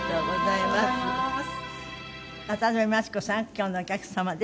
今日のお客様です。